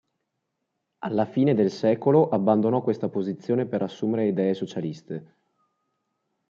Alla fine del secolo abbandonò questa posizione per assumere idee socialiste.